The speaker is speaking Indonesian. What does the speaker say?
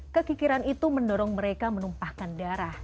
kekikiran itu mendorong mereka menumpahkan darah